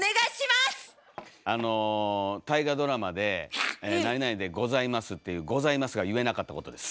あの大河ドラマで「何々でございます」っていう「ございます」が言えなかったことです。